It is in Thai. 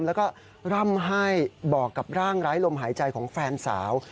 แล้วก็ร่ำให้บอกกับร่างไร้ลมหายใจของแฟนสาว